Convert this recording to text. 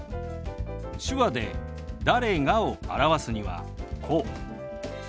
手話で「誰が」を表すにはこう。